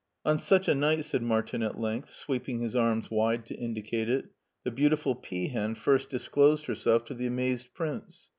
'' On such a uight,'' said Martin at length, sweepii^ his arms wide to indicate it, ''the beautiful peahen first disclosed herself to the amazed prince.